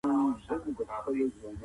که ته غواړې چي پوه سې نو تل پلټنه کوه.